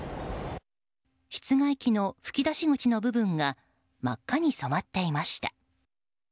室外機の吹き出し口の部分が真っ赤に染まっていました。